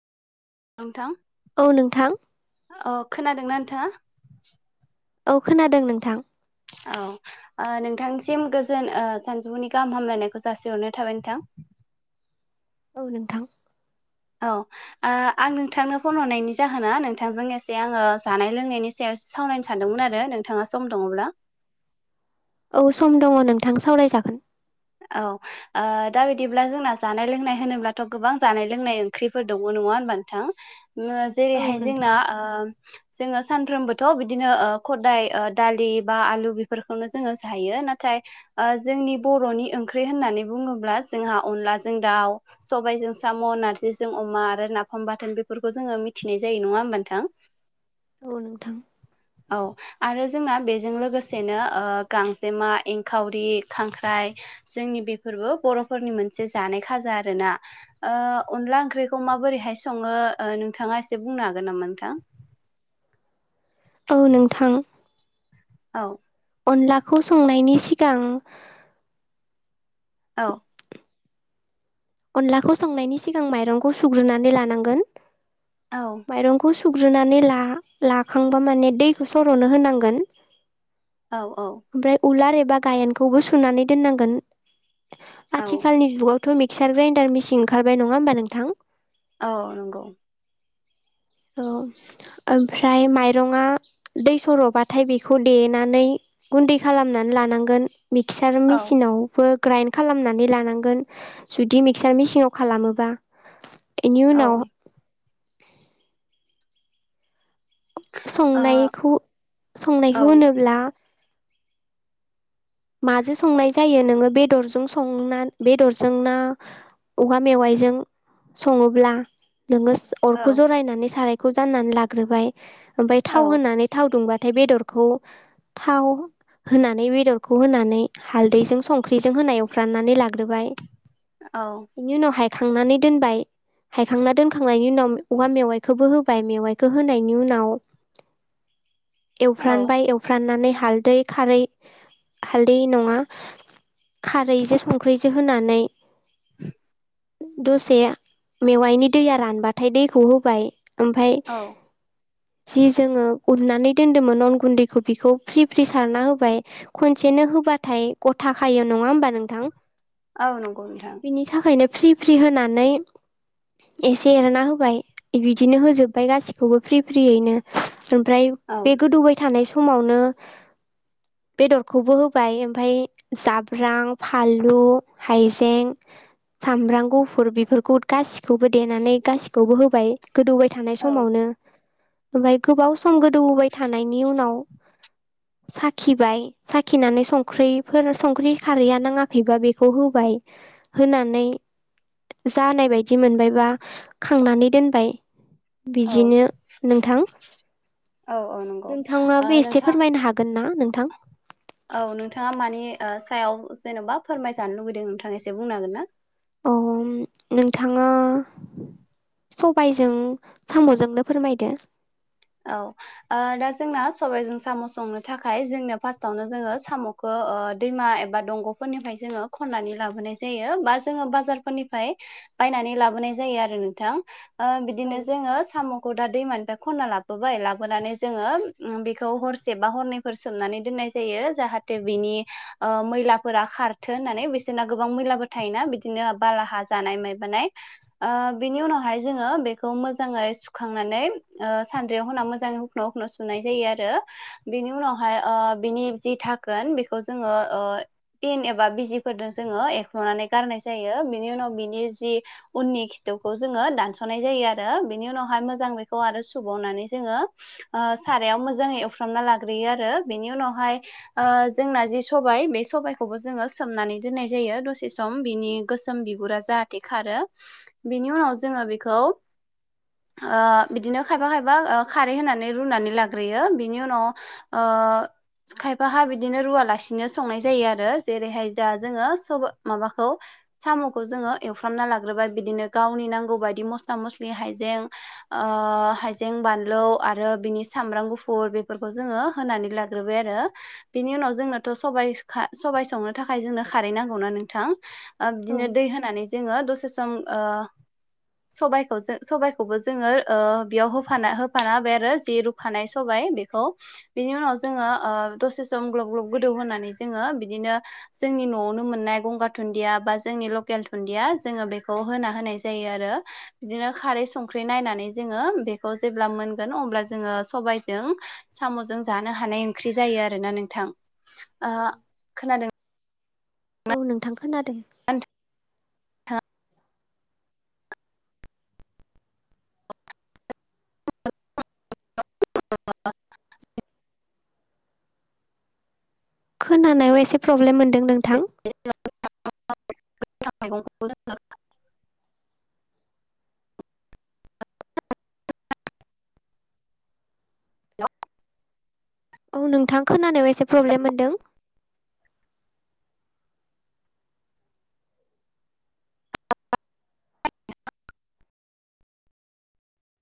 नोंथां औ नोंथां। खोनादों ना नोंथाङा? औ खोनादों नोंथां। औ ओ नोंथांनिसिम गोजोन ओ सानजौफुनि गाहाम हामलायनायखौ जासिहरनाय थाबाय नोंथां। [inaudible] औ नोंथां। औ ओ आं नोंथांनो फन हरनायनि जाहोना नोंथांजों एसे आङो जानाय लोंनायनि सायाव सावरायनो सानदोंमोन आरो नोंथाङा सम दङब्ला औ सम दङ नोंथां सावरायजागोन। औ ओ दा बिदिब्ला जोंना जानाय लोंनाय होनोब्लाथ' गोबां जानाय लोंनाय ओंख्रिफोर दङ न होनबा नोंथां औ जेरैहाय नोंथां जोंना जोङो सानफ्रोमबोथ' बिदिनो खदाय दालि बा आलु बेफोरखौनो जोङो जायो नाथाय जोंनि बर'नि ओंख्रि होननानै बुङोब्ला जोंहा अनलाजों दाउ सबायजों साम' नारजिजों अमा आरो नाफाम बाथोन बेफोरखौ जोङो मिथिनाय जायो नङा होनोमबानोथां औ नोंथां औ आरो जोंना बेजों लोगोसेनो गांजेमा एंखावरि खांख्राइ जोंनि बेफोर बर'फोरनि मोनसे जानाय खाजा आरोना अनला ओंख्रिखौ माबोरैहाय सङो नोंथाङा एसे बुंनो हागोन नामा नोंथां? औ नोंथां औ अनलाखौ संनायनि सिगां औ अनलाखौ संनायनि सिगां माइरंखौ सुग्रोननानै लानांगोन औ माइरंखौ सुग्रोननानै ला लाखांबा माने दैखौ सर'नो होनांगोन। औ औ ओमफ्राय उलार एबा गायेनखौबो सुनानै दोननांगोन। औ आथिखालनि जुगावथ' मिक्सार ग्राइन्डार मिसिन ओंखारबाय नङा होमबा नोंथां। औ नंगौ औ ओमफ्राय माइरंङा दै सर'बाथाय बेखौ देनानै गुन्दै खालामनानै लानांगोन मिक्सार औ मेसिनावबो ग्राइन्ड खालामनानै लानांगोन जुदि मिक्सार मेचिनाव खालामोबा इनि औ ओ उनाव औ संनायखौ औ संनायखौ होनोब्ला माजों संनाय जायो नोङो बेदरजों संना बेदरजों ना औवा मेवाइजों सङोब्ला नोङो औ अरखौ जरायनानै सारायखौ जाननानै लाग्रोबाय ओमफफ्राय थाव होनानै थाव दुंबा नाथाय बेदरखौ थाव होनानै बेदर खौ होनानै हालदैजों संख्रिजों होनायाववफ्राननानै लाग्रोबाय औ बेनि उनावहाय खांनानै दोनबाय हायखांना दोनखांनायनि उनाव औवा मेवाइखौबो होबाय मेवाइखौ होनायनि उनाव [inaudible] औ एवफ्रानबाय एवफ्राननानै हालदै खारै हालदै नङा खारैजों संख्रैजों होनानै [inaudible] दसे मेवाइनि दैया रानबाथाय दैखौ होबाय ओमफाय औ जि जोङो उनानै दोन्दोंमोन अन गुन्दैखौ बिखौ फ्रि फ्रि सारना होबाय खनसेनो होबाथाय गथा खायो नङा होमबा नोंथां औ नंगौ नोंथां बिनि थाखायनो फ्रि फ्रि होनानै एसे एरना होबाय बिदिनो होजोबबाय गासिखौबो फ्रि फ्रियैनो ओमफ्राय औ बे गोदौबाय थानाय समावनो बेदरखौबो होबाय ओमफाय जाब्रां फानलु हाइजें सामब्राम गुफुर बेफोरखौ गासिखौबो देनानै गासिखौबो होबाय गोदौबाय थानाय औ समावनो ओमफ्राय गोबाव सम गोदौबाय थानायनि उनाव साखिबाय साखिनानै संख्रिफोर संख्रि खारैया नाङाखैबा बेखौ होबाय होनानै जानाय बायदि मोनबाय बा खांनानै दोनबाय औ बिदिनो नोंथां औ औ नंगौ नोंथाङाबो ओ एसे नोंथां फोरमायनो हागोन ना नोंथां? औ नोंथाङा मानि सायाव जेन'बा फोरमायजानो लुबैदों नोंथाङा एसे बुंनो हागोन ना औ नोंथाङा सबायजों साम'जोंनो फोरमायदो औ दा जोंना सबाइजों साम' संनो थाखाय जोंनो फार्स्टआवनो जोङो साम'खौ दैमा एबा दंग'फोरनिफ्राय जोङो खन्नानै लाबोनाय जायो बा जोङो बाजारफोरनिफ्राय बायनानै लाबोनाय जायो आरो नोंथां औ बिदिनो जोङो साम'खौ दा दैमानिफ्राय खना लाबो लाबोबाय लाबोनानै जोङो बेखौ हरसे बा हरनैफोर सोमनानै दोननाय जायो जाहाथे बिनि मैला फोरा खारथों होननानै बिसोरना गोबां मैला थायोना बिदिनो बाला हा जानाय ओ बेनि उनावहाय जोङो मोजाङै सुखांनानै सानद्रियाव होनना मोजाङै हखन' हुखन' सुनाय जायो आरो बिनि उनावहाय बिनि जि थाखोन बेखौ जोंङो पन एबा बिजिफोरजों जोंङो एख्ल'नानै गारनाय जायो बिनि उनाव बिनि जि उननि खिथु दासनाय जायो आरो बेनि उनावहाय मोजां आरो सुबावनानै जोंङो सारायाव मोजाङै एवफ्रामना लाग्रोयो आरो बेनि उनावहाय जोंना जि सबाय बे सबायाइखौबो जोंङो सोमनानै दोननाय जायो दसे सम बिनि गोसोम बिगुरा जाहाथे बिनि उनाव जोंङो बिनो खायबा खायबा खारै होनानै रुनानै लाग्रोयो बिनि उनाव खायफाहा बिदिनो रुवालासिनो संनाय जायो आरो जेरैहाय दा जोंङो सब माबाखौ साम'खौ जोंङो एवफ्रामना लाग्रोबाय बिदिनो गावनि नांगौ बायदि मस्ला मस्लि हायजें ओ हाइजें बानलु आरो बिनि सामब्राम गुफुर बेफोरखौ जोंङो होनानै लाग्रोबाय आरो बेनि उनाव जोंनोथ' स सबबाय संनो थाखाय जोंनो खारै नांगौनाा नोंथां औ बिदिनो दै होनानै जोंङो दसे सखौ सबखौबो जोंङो बेयाव होफ होफाना हाय आरो जि रुखानाय सबाय बेखौ बिनि उनाव जोंङो दसे गलब गलब गोदौ होनानै जोंङो बिदिनो जोंनि न'आवनो मोननाय गंगार दुन्दिया बा जोंनि ल केल थुन्दिया जोंङो बेखौ होना होनाय जायो आरो बिदिनो खारै संख्रि नायनानै जोंङो बेखौ जेब्ला मोनगोन अब्ला जोंङो सबायजों साम'जों जानो हानाय ओंख्रि जायो आरो ना नोंथां ओ खोनादों औ नोंथां खोनादों नोंथाङा [unintelligible] [unintelligible] [unintelligible] खोनानायाव एसे प्रब्लेम मोनदों नोंथां [unintelligible] [unintelligible] औ नोंथां खोनानायाव एसे प्रब्लेम मोनदों